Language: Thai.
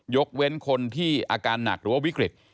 ยกเว้นคนที่อาการหนักหรือว่าวิกฤต